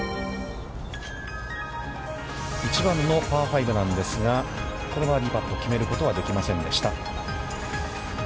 １番パー５なんですがこれはバーディーパットを決めることはできませんでした。